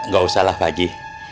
gak usah lah pak ji